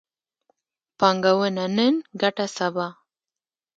پانګونه نن، ګټه سبا